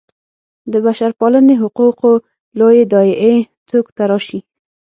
د بشرپالنې حقوقو لویې داعیې څوک تراشي.